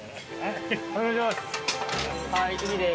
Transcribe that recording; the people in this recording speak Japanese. お願いします。